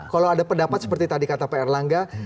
kalau ada pendapat seperti tadi kata pak erlangga